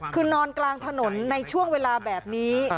คือนอนกลางถนนในช่วงเวลาแบบนี้